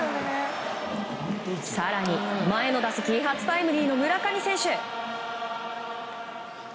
更に、前の打席初タイムリーの村上選手。